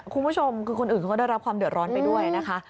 คุณผู้ชมคือคนอื่นเขาก็ได้รับความเดือดร้อนไปด้วยนะคะ